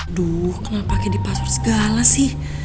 aduh kenapa kayak dipasok segala sih